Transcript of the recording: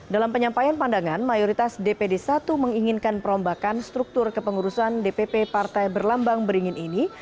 dalam penyampaian pandangan mayoritas dpd satu menginginkan perombakan struktur kepengurusan dpp partai berlambang beringin ini